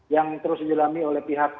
yang terus dilami oleh pihak